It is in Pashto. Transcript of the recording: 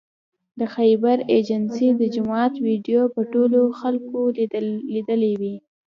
د خیبر ایجنسۍ د جومات ویدیو به ټولو خلکو لیدلې وي